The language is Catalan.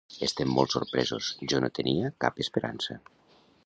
Estem molt sorpresos, jo no tenia cap esperança.